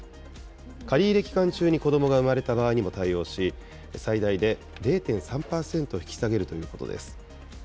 借り入れ期間中に子どもが産まれた場合にも対応し、最大で０．３％引き下げるということです。